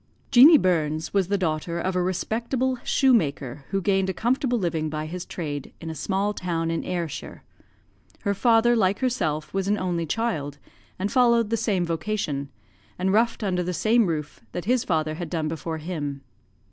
"Jeanie Burns was the daughter of a respectable shoemaker, who gained a comfortable living by his trade in a small town in Ayrshire. Her father, like herself, was an only child, and followed the same vocation, and wrought under the same roof that his father had done before him.